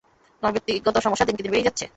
তোমার ব্যাকিগত সমস্যা দিনকে দিন বেড়েই যাচ্ছে।